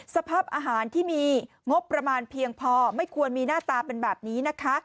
สภาพอาหารที่มีงบประมาณเพียงพอไม่ควรมีหน้าตาเป็นแบบนี้นะคะ